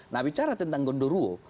nah bicara tentang gondoruo